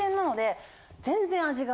全然味が。